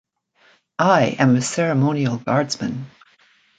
I am a Ceremonial Guardsman.